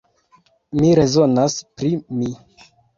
Mi rezonas pri mi.